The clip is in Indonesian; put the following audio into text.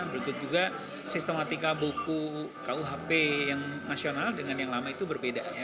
berikut juga sistematika buku kuhp yang nasional dengan yang lama itu berbeda